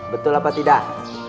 betul apa tidak